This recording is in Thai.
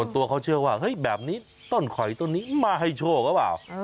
ตัวเขาเชื่อว่าเฮ้ยแบบนี้ต้นข่อยต้นนี้มาให้โชคหรือเปล่า